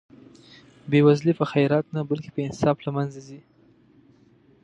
بې وزلي په خیرات نه بلکې په انصاف له منځه ځي.